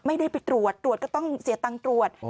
ไม่ได้ไปตรวจตรวจก็ต้องเสียตังค์ตรวจ